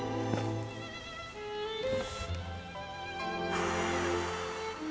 ふう。